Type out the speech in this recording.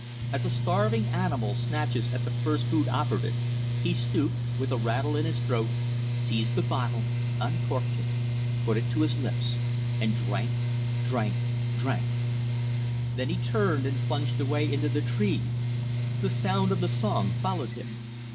As a starving animal snatches at the first food offered it, he stooped, with a rattle in his throat, seized the bottle, uncorked it, put it to his lips, and drank drank drank. Then he turned and plunged away into the trees. The sound of the song followed him.